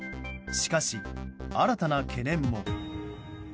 しかし新たな懸念も。